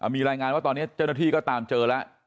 มีรายงานว่าตอนนี้เจ้าหน้าที่ก็ตามเจอแล้ว